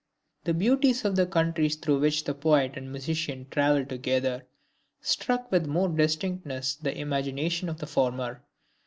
The beauties of the countries through which the Poet and Musician travelled together, struck with more distinctness the imagination of the former.